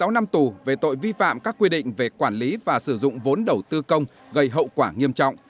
một mươi năm tù về tội vi phạm các quy định về quản lý và sử dụng vốn đầu tư công gây hậu quả nghiêm trọng